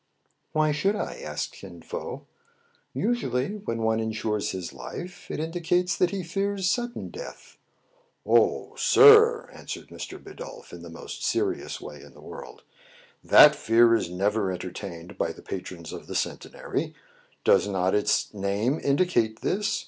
"Why should I.?" asked Kin Fo. "Usually, when one insures his life, it indicates that he fears sudden death." " O sir !" answered Mr. Bidulph in the most serious way in the world, " that fear is never enter tained by the patrons of the Centenary. Does not its name indicate this.